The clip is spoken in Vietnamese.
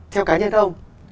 theo cá nhân ông